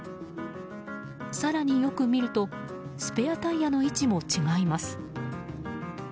更によく見るとスペアタイヤの位置も違います。